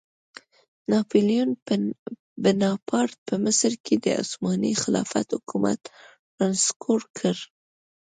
ناپیلیون بناپارټ په مصر کې د عثماني خلافت حکومت رانسکور کړ.